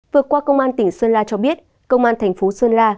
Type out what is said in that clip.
vừa qua công an tỉnh sơn la cho biết công an thành phố sơn la